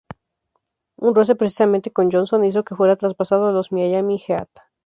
Un roce precisamente con Johnson hizo que fuera traspasado a los Miami Heat.